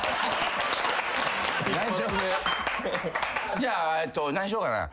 じゃあ何しようかな。